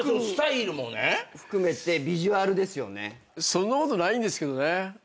そんなことないんですけどね。